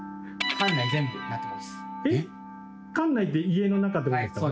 館内って家の中って事ですか？